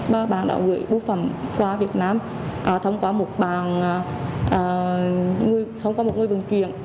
bà bà đã gửi biêu phẩm qua việt nam thông qua một người vận chuyển